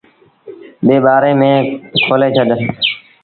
ٻي ٻآري ميݩ کولي ڇڏ۔